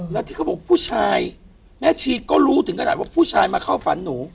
แล้วที่เขาบอกผู้ชายแม่ชีก็รู้ถึงขนาดว่าผู้ชายมาเข้าฝันหนู